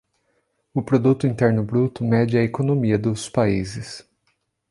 O Produto Interno Bruto mede a economia dos países